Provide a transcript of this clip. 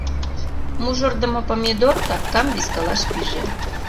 Мужырдымо Помидор капкам вискалаш пиже.